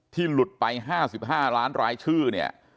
หลุดไป๕๕ล้านรายชื่อเนี่ย